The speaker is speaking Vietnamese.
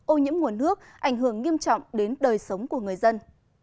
ô nhiễm nguồn nước ảnh hưởng nghiêm trọng đến đời sống của người dân